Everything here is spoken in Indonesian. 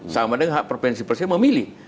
sama dengan hak prevensi presiden memilih